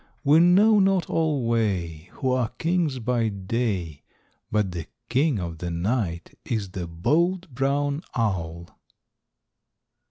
We know not alway Who are kings by day, But the king of the night is the bold brown owl.